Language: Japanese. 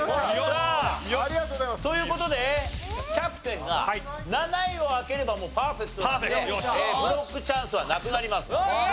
という事でキャプテンが７位を開ければもうパーフェクトなのでブロックチャンスはなくなります。